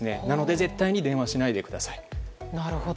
なので、絶対に電話しないでください。